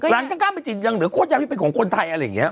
ร้านข้างเป็นจีนยำเหลือโคตรยำที่เป็นของคนไทยอะไรอย่างเงี้ย